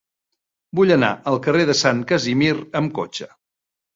Vull anar al carrer de Sant Casimir amb cotxe.